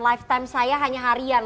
lifetime saya hanya harian